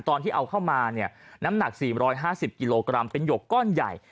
ตอนที่เอาเข้ามาเนี่ยน้ำหนักสี่ร้อยห้าสิบกิโลกรัมเป็นหยกก้อนใหญ่